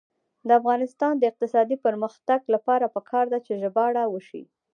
د افغانستان د اقتصادي پرمختګ لپاره پکار ده چې ژباړه وشي.